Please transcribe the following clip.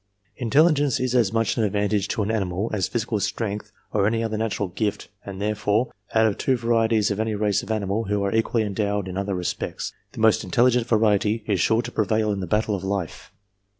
Intelligence is as much an advantage to an animal as physical strength or any other natural gift, and there fore, out of two varieties of any race of animal who are equally endowed in other respects, the most intelligent variety is sure to prevail in the battle of life.